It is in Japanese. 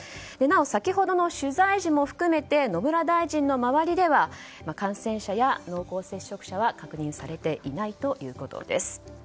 先ほどの取材時も含めて野村大臣の周りでは感染者や濃厚接触者は確認されていないということです。